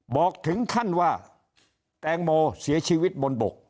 บอกถึงขั้นว่าแตงโมเสียชีวิตบนบก